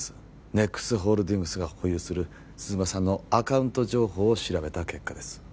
ＮＥＸホールディングスが保有する鈴間さんのアカウント情報を調べた結果です